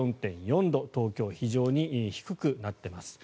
東京、非常に低くなっています。